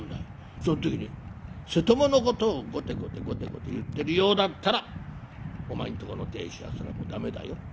その時に瀬戸物のことをごてごてごてごて言ってるようだったらお前んとこの亭主はそれはもう駄目だよ。